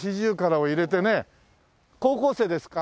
高校生ですか？